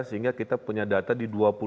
sehingga kita punya data di dua puluh